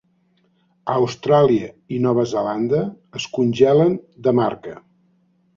A Austràlia i Nova Zelanda es congelen de marca.